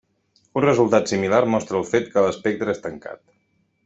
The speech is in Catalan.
Un resultat similar mostra el fet que l'espectre és tancat.